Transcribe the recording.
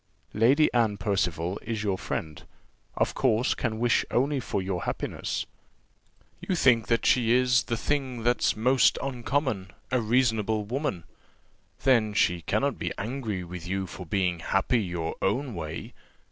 Lady Anne Percival is your friend, of course can wish only for your happiness. You think she is 'the thing that's most uncommon, a reasonable woman:' then she cannot be angry with you for being happy your own way.